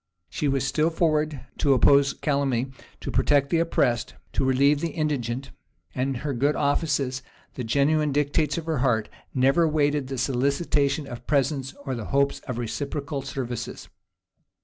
She was still forward to oppose calumny, to protect the oppressed, to relieve the indigent; and her good offices, the genuine dictates of her heart, never waited the solicitation of presents, or the hopes of reciprocal services.